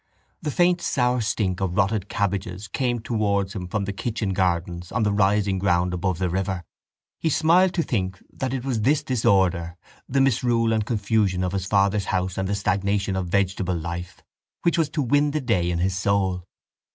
The faint sour stink of rotted cabbages came towards him from the kitchen gardens on the rising ground above the river. He smiled to think that it was this disorder, the misrule and confusion of his father's house and the stagnation of vegetable life, which was to win the day in his soul.